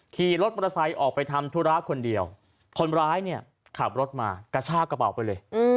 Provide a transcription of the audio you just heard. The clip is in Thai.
ขี่รถมอเตอร์ไซค์ออกไปทำธุระคนเดียวคนร้ายเนี่ยขับรถมากระชากระเป๋าไปเลย